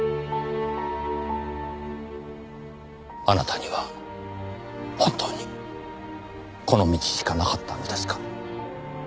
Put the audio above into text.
あなたには本当にこの道しかなかったのですか？